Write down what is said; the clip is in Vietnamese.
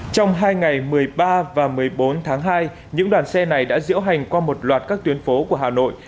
trong hai ngày một mươi ba và một mươi bốn tháng hai những đoàn xe này đã diễu hành qua một loạt các tuyến phố của hà nội